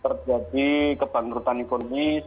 terjadi kebeneran ekonomi